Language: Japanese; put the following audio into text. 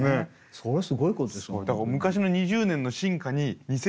それはすごいことですよ